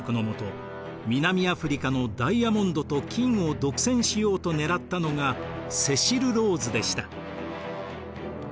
南アフリカのダイヤモンドと金を独占しようと狙ったのがセシル・ローズでした。